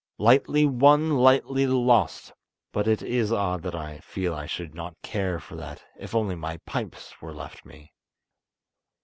lightly won, lightly lost—but it is odd that I feel I should not care for that if only my pipes were left me."